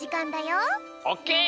オッケー！